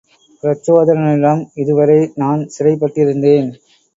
பிரச்சோதனனிடம் இதுவரை நான் சிறைப்பட் டிருந்தேன்.